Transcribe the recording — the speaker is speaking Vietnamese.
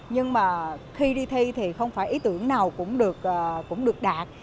nhưng mà khi đi thi thì không phải ý tưởng nào cũng được đạt